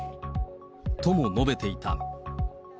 とも述べていた。